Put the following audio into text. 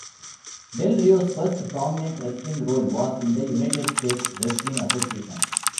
Del Rios' first prominent wrestling role was in the United States Wrestling Association.